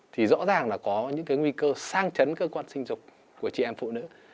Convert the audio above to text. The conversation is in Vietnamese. thì rõ ràng là có những cái nguy cơ sang chấn cơ quan sinh dục của chị em phụ nữ